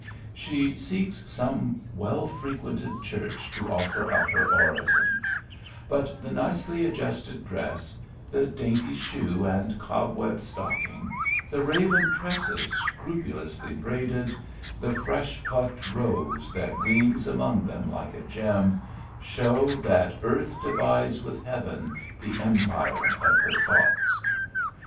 She seeks some well frequented church to offer up her orisons , but the nicely ad justed dress ; the dainty shoe and cobweb stock ing ; the raven tresses scrupulously braided, the fresh plucked rose that gleams among them like a gem, show that earth divides with heaven the em pire of her thoughts.